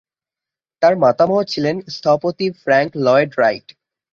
তার মাতামহ ছিলেন স্থপতি ফ্র্যাংক লয়েড রাইট।